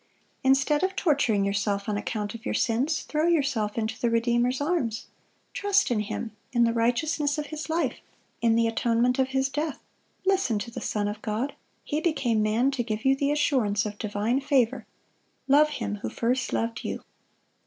"Instead of torturing yourself on account of your sins, throw yourself into the Redeemer's arms. Trust in Him, in the righteousness of His life, in the atonement of His death.... Listen to the Son of God. He became man to give you the assurance of divine favor," "Love Him who first loved you."